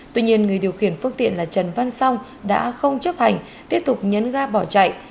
tuy nhiên người điều khiển phương tiện là trần văn song đã không chấp hành tiếp tục nhấn ga bỏ chạy